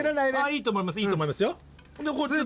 いいと思いますいいと思いますよ。